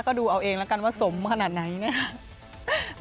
ก็ดูเอาเองแล้วกันว่าสมขนาดไหนนะครับ